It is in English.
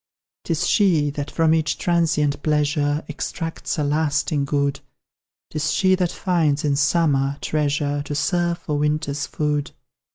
'Tis she that from each transient pleasure Extracts a lasting good; 'Tis she that finds, in summer, treasure To serve for winter's food.